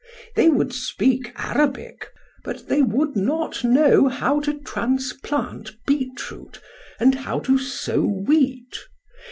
They would speak Arabic, but they would not know how to transplant beet root, and how to sow wheat.